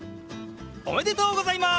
おめでとうございます！